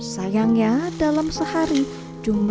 sayangnya dalam sehari jumlah produksi emping melinjol